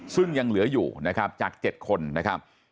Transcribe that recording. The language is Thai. ซึ่งยังเหลืออยู่นะครับจาก๗คนนะครับ